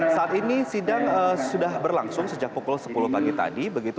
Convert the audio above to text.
saat ini sidang sudah berlangsung sejak pukul sepuluh pagi tadi